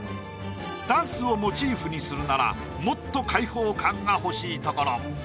ダンスをモチーフにするならもっと開放感が欲しいところ。